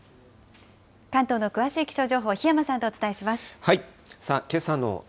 関東の詳しい気象情報、檜山さんとお伝えします。